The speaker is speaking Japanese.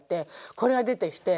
これが出てきて。